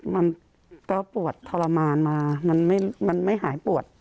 มันก็ปวดทรมานมามันไม่หายปวด